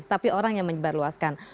tapi orang yang menyebarluaskan